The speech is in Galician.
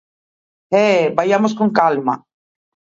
¡Eh!, vaiamos con calma.